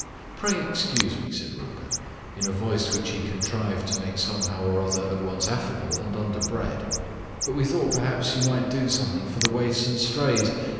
"Pray excuse me," said Rupert, in a voice which he contrived to make somehow or other at once affable and underbred, "but we thought perhaps that you might do something for the Waifs and Strays.